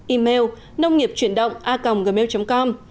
email nông nghiệpchuyendongacomgmail com